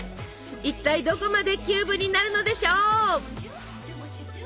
一体どこまでキューブになるのでしょう？